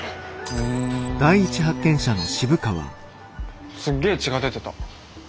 うんすっげえ血が出てた。